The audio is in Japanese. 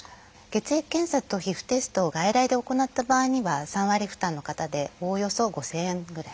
血液検査と皮膚テストを外来で行った場合には３割負担の方でおおよそ５，０００円ぐらい。